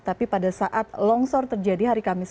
tapi pada saat longsor terjadi hari kamis